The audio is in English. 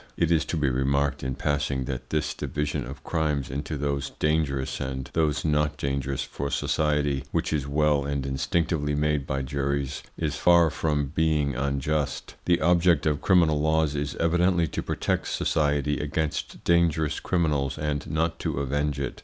It is to be remarked, in passing, that this division of crimes into those dangerous and those not dangerous for society, which is well and instinctively made by juries is far from being unjust. The object of criminal laws is evidently to protect society against dangerous criminals and not to avenge it.